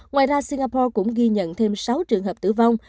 ngoài ra singapore cũng ghi nhận thêm sáu trường hợp tử vong